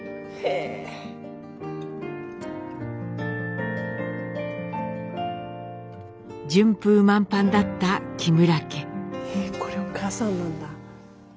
えこれお母さんなんだ。